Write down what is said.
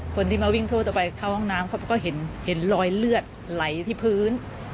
คนที่มาวิ่งทั่วไปเข้าห้องน้ำเขาก็เห็นรอยเลือดไหลที่พื้น